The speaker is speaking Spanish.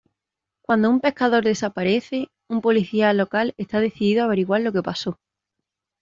Cuando un pescador desaparece, un policía local está decidido a averiguar lo que pasó.